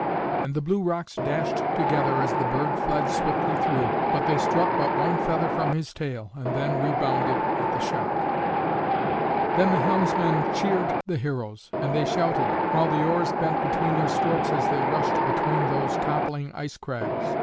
And the blue rocks dashed together as the bird fled swiftly through, but they struck but one feather from his tail, and then rebounded at the shock. Then the helmsman cheered the heroes, and they shouted, while the oars bent beneath their strokes as they rushed between those toppling ice crags.